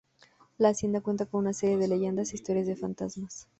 La hacienda cuenta con una serie de leyendas e historias de fantasmas.